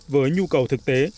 với nhu cầu thực tế